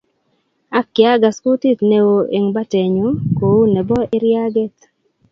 Ak kiagas kutit ne o eng' batennyu , kou nebo iriaget.